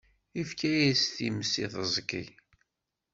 Ifka-yas times i teẓgi.